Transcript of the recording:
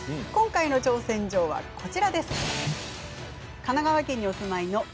今回の挑戦状はこちらです。